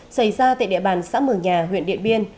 xảy ra tại địa bàn xã mường nhà huyện điện biên